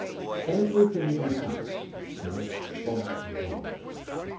Everything in the house smelt of varnish.